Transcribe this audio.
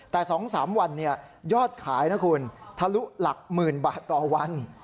แต่๒๓วันยอดขายนะคุณทะลุหลักหมื่นบาทต่อวัน